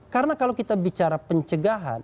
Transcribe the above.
karena kalau kita bicara pencegahan